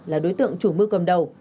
là đối tượng chủ mưu cầm đầu